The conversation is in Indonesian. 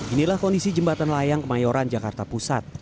inilah kondisi jembatan layang kemayoran jakarta pusat